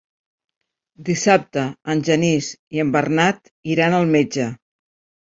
Dissabte en Genís i en Bernat iran al metge.